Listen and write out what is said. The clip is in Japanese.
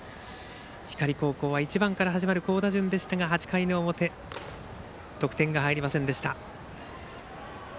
光高校は１番から始まる好打順でしたが８回の表得点が入りませんでした。